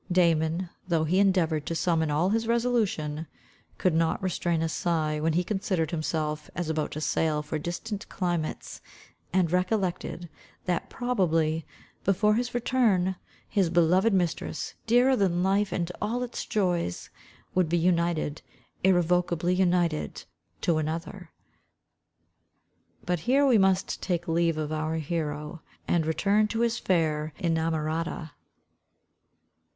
Damon, though he endeavoured to summon all his resolution, could not restrain a sigh when he considered himself as about to sail for distant climates, and recollected, that probably, before his return, his beloved mistress, dearer than life and all its joys, would be united, irrevocably united to another. But here we must take leave of our hero, and return to his fair inamorata.